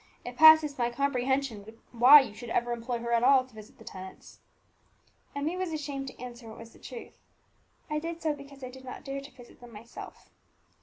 "It passes my comprehension why you should ever employ her at all to visit the tenants." Emmie was ashamed to answer what was the truth, "I did so because I did not dare to visit them myself."